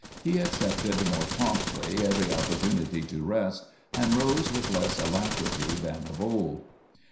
He accepted more promptly every opportunity to rest, and rose with less alacrity than of old.